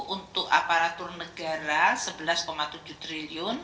untuk aparatur negara rp sebelas tujuh triliun